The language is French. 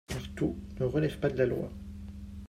car tout ne relève pas de la loi.